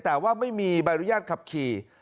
แต่ว่าไม่มีใบอนุญาตขับขี่